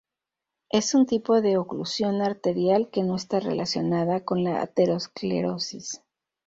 Es un tipo de oclusión arterial que no está relacionada con la aterosclerosis.